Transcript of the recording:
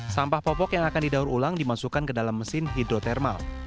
sampah popok yang akan didaur ulang dimasukkan ke dalam mesin hidrotermal